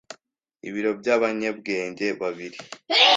ibiro byabanyebwenge babiri